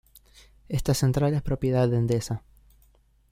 Esta central es propiedad de Endesa.